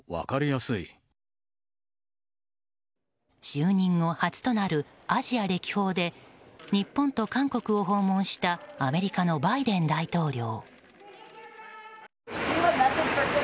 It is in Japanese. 就任後初となるアジア歴訪で日本と韓国を訪問したアメリカのバイデン大統領。